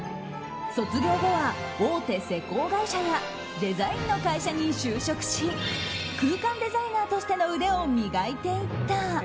卒業後は大手施工会社やデザインの会社に就職し空間デザイナーとしての腕を磨いていった。